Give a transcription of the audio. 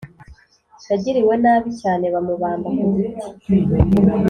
yagiriwe nabi cyane, bamubamba ku giti.